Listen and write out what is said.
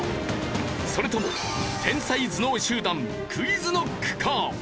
それとも天才頭脳集団ＱｕｉｚＫｎｏｃｋか？